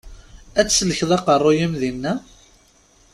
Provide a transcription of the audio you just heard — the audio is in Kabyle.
Ad tsellkeḍ aqeṛṛu-yim dinna?